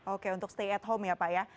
oke untuk stay at home ya pak ya